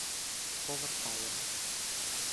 Повертаємо.